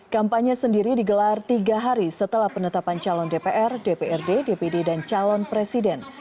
kampanye sendiri digelar tiga hari setelah penetapan calon dpr dprd dpd dan calon presiden